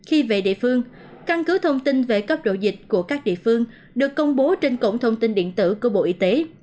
khi về địa phương căn cứ thông tin về cấp độ dịch của các địa phương được công bố trên cổng thông tin điện tử của bộ y tế